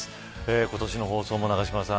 今年の放送も永島さん